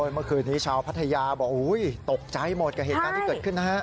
เมื่อคืนนี้ชาวพัทยาบอกตกใจหมดกับเหตุการณ์ที่เกิดขึ้นนะฮะ